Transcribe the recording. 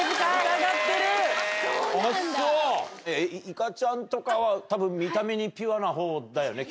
いかちゃんとかは多分見た目にピュアなほうだよね？